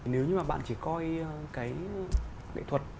nếu như mà bạn chỉ coi cái nghệ thuật